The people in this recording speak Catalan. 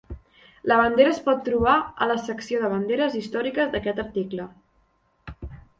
La bandera es pot trobar a la secció de banderes històriques d'aquest article.